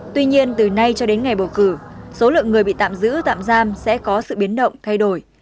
tuy nhiên từ nay cho đến ngày bầu cử số lượng người bị tạm giữ tạm giam sẽ có sự biến động thay đổi